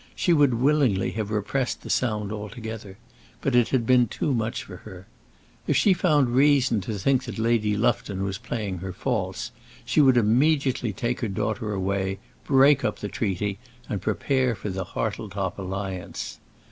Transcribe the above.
She would willingly have repressed the sound altogether, but it had been too much for her. If she found reason to think that Lady Lufton was playing her false, she would immediately take her daughter away, break up the treaty, and prepare for the Hartletop alliance.